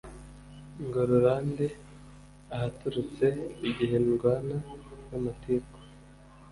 Ngo rurande ahaturitse Igihe ndwana n'amatiku